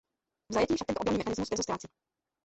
V zajetí však tento obranný mechanismus brzy ztrácí.